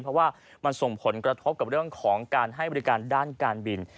เพราะว่ามันส่งผลกระทบกับเรื่องของการให้บริการด้านการบิน